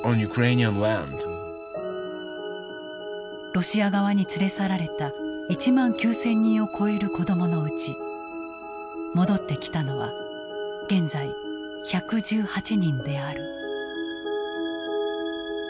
ロシア側に連れ去られた１万９，０００人を超える子どものうち戻ってきたのは現在１１８人である。